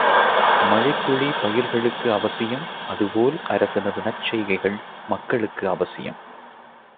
மழைத்துளி பயிர்களுக்கு அவசியம் அதுபோல் அரசனது நற்செய்கைகள் மக்களுக்கு அவசியம்.